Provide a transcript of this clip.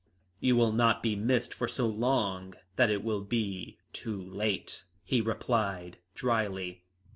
"You will not be missed for so long that it will be too late," he replied drily.